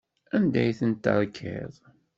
Anda ay tent-terkiḍ?